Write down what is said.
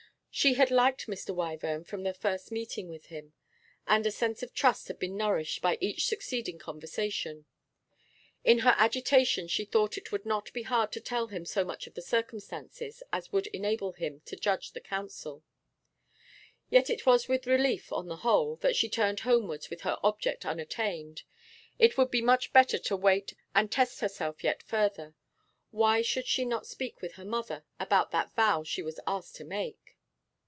She had liked Mr. Wyvern from the first meeting with him, and a sense of trust had been nourished by each succeeding conversation. In her agitation she thought it would not be hard to tell him so much of the circumstances as would enable him to judge and counsel. Yet it was with relief, on the whole, that she turned homewards with her object unattained. It would be much better to wait and test herself yet further. Why should she not speak with her mother about that vow she was asked to make?